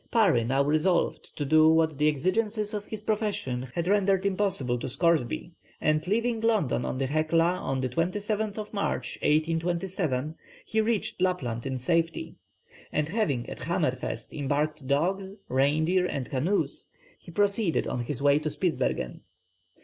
Parry now resolved to do what the exigencies of his profession had rendered impossible to Scoresby, and leaving London on the Hecla on the 27th March, 1827, he reached Lapland in safety, and having at Hammerfest embarked dogs, reindeer, and canoes, he proceeded on his way to Spitzbergen.